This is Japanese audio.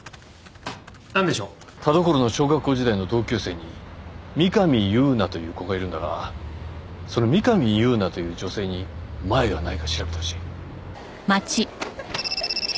田所の小学校時代の同級生に三上夕菜という子がいるんだがその三上夕菜という女性にマエがないか調べてほしい。